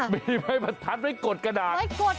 อ๋อมีบันทัศน์ไว้กดกระดาศ